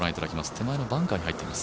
手前のバンカーに入ってます。